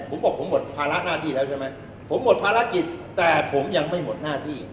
ผมบอกผมหมดภาระหน้าที่แล้วใช่ไหมผมหมดภารกิจแต่ผมยังไม่หมดหน้าที่